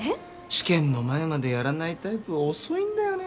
試験の前までやらないタイプ遅いんだよね